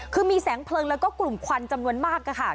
คือมีแสงเพลิงแล้วก็กลุ่มควันจำนวนมากค่ะ